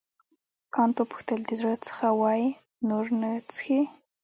کانت وپوښتل د زړه څخه وایې نور نه څښې.